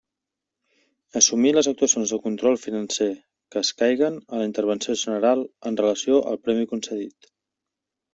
Assumir les actuacions de control financer que escaiguen a la Intervenció General en relació al premi concedit.